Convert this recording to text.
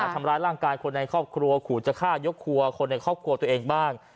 ทำร้ายร่างกายคนในครอบครัวขู่จะฆ่ายกครัวคนในครอบครัวตัวเองบ้าง